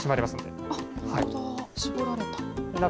絞られた。